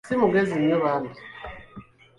Ssi mugezi nnyo bambi.